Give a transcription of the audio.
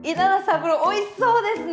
これおいしそうですね。